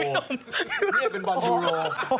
พี่ให้เพียงเล่นเป็นบอร์นยูโร